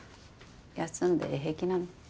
休んで平気なの？